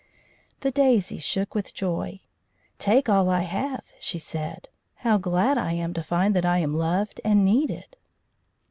The daisy shook with joy. "Take all I have," she said. "How glad I am to find that I am loved and needed!"